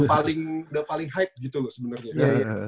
paling udah paling hype gitu loh sebenarnya